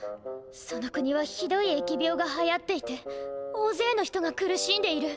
その国はひどいえき病がはやっていて大ぜいの人が苦しんでいる。